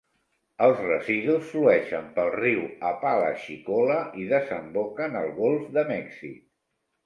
Els residus flueixen pel riu Apalachicola i desemboquen al Golf de Mèxic.